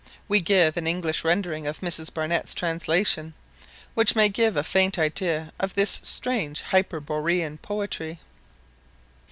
We give an English rendering of Mrs Barnett's translation, which may give a faint idea of this strange hyperborean poetry.